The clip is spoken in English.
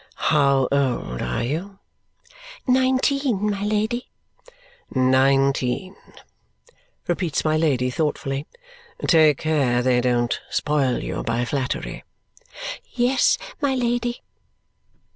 "How old are you?" "Nineteen, my Lady." "Nineteen," repeats my Lady thoughtfully. "Take care they don't spoil you by flattery." "Yes, my Lady."